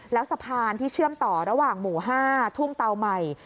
แล้วสะพานที่เชื่อมต่อระหว่างหมู่๕ทุ่งเตาใหม่